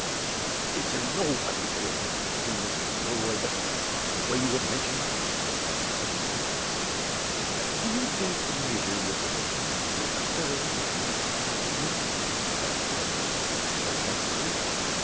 "Is there no other way of protecting Miss Milroy but the way you have mentioned?" he asked, uneasily. "Do you think the major would listen to you, sir, if you spoke to him?" asked Pedgift Senior, sarcastically.